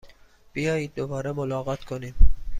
بیایید دوباره ملاقات کنیم!